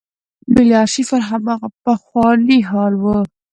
ملي آرشیف پر هماغه پخواني حال و.